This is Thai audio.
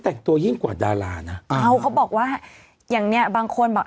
แต่งตัวยิ่งกว่าดารานะเอาเขาบอกว่าอย่างเนี้ยบางคนบอก